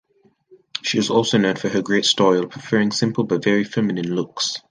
She is also known for her great style, preferring simple but very feminine looks.